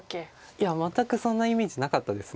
いや全くそんなイメージなかったです。